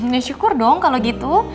ya syukur dong kalau gitu